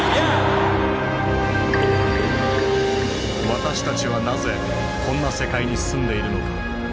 私たちはなぜこんな世界に住んでいるのか。